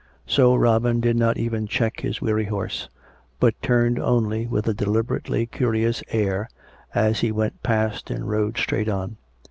So Robin did not even check his weary horse ; but turned only, with a deliberately curious air, as he went past and rode straight on.